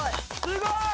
すごい！